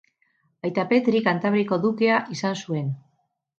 Aita Petri Kantabriako dukea izan zuen.